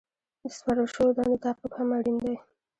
د سپارل شوو دندو تعقیب هم اړین دی.